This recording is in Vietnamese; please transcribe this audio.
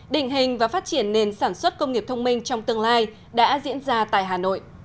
định hình và phát triển nền sản xuất công nghiệp thông minh trong tương lai đã diễn ra tại hà nội